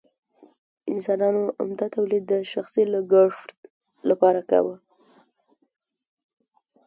انسانانو عمده تولید د شخصي لګښت لپاره کاوه.